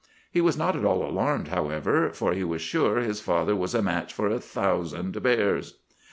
He was not at all alarmed, however, for he was sure his father was a match for a thousand bears.